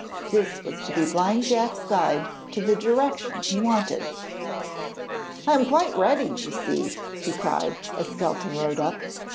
This was to be Blind Jack's guide to the direction he wanted. 'I am quite ready, you see,' he cried, as Skelton rode up.